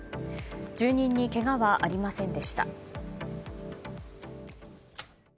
住人にけがはありませんでした。